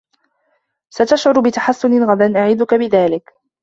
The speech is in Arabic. ستشعر بتحسّن غدا، أعدك بذلك.